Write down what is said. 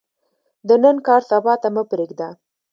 د نن کار، سبا ته مه پریږده.